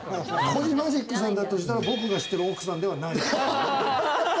コジマジックさんだとしたら、僕が知ってる奥さんではないです。